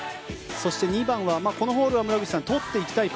そして、２番はこのホールは取っていきたい